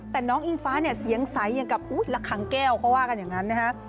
แต่น้องอิงฟ้าเนี่ยเสียงใสอย่างกับอุ๊ยละคังแก้วเขาว่ากันอย่างนั้นนะฮะ